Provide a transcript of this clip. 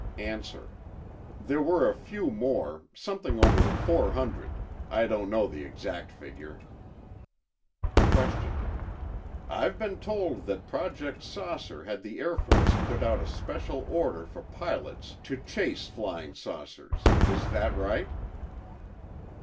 A. There were a few more—something over four hundred. I don't know the exact figure. Q. I've been told that Project "Saucer" had the Air Force put out a special order for pilots to chase flying saucers. Is that right?